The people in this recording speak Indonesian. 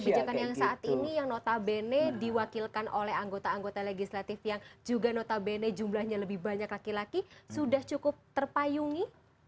kebijakan yang saat ini yang notabene diwakilkan oleh anggota anggota legislatif yang juga notabene jumlahnya lebih banyak laki laki sudah cukup terpayungi